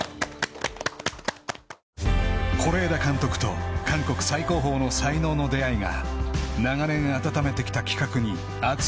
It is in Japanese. ［是枝監督と韓国最高峰の才能の出会いが長年温めてきた企画に熱い命を吹き込んだ］